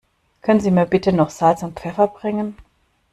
Können Sie mir bitte noch Salz und Pfeffer bringen?